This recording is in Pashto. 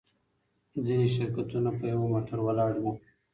ځینې شرکتونه په یوه موټر ولاړ وي.